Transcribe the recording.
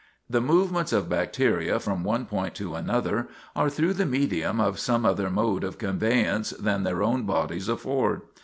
The movements of bacteria from one point to another are through the medium of some other mode of conveyance than their own bodies afford.